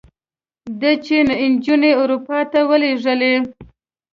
ده چې نجونې اروپا ته ولېږلې.